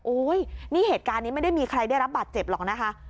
นี่เหตุการณ์นี้ไม่ได้มีใครได้รับบาดเจ็บหรอกนะคะ